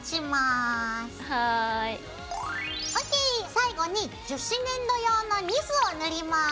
最後に樹脂粘土用のニスを塗ります。